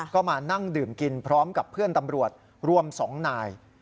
ก็มานั่งดื่มกินพร้อมกับเพื่อนตำรวจรวม๒นาย